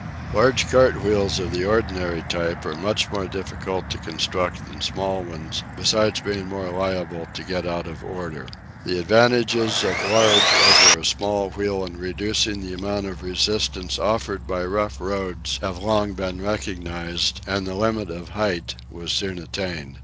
Large cart wheels of the ordinary type are much more difficult to construct than small ones, besides being more liable to get out of order. The advantages of a large over a small wheel in reducing the amount of resistance offered by rough roads have long been recognised, and the limit of height was soon attained.